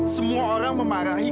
semua orang memarahi kebodohan aku